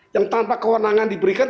yang tanpa kewenangan diberikan